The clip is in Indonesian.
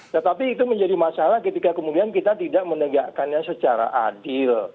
tetapi itu menjadi masalah ketika kemudian kita tidak menegakkannya secara adil